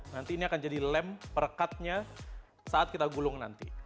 nanti ini akan jadi lem perekatnya saat kita gulung nanti